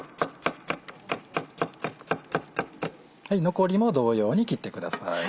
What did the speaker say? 残りも同様に切ってください。